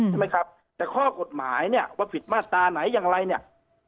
แต่ข้อกฎหมายเนี่ยว่าผิดมาตราไหนยังไงเนี่ย